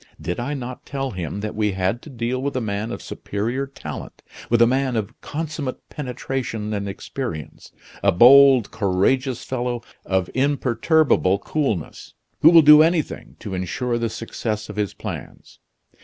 Did I not tell him that we had to deal with a man of superior talent with a man of consummate penetration and experience a bold, courageous fellow of imperturbable coolness, who will do anything to insure the success of his plans?